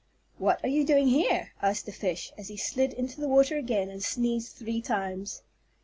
"What are you doing here?" asked the fish, as he slid into the water again and sneezed three times.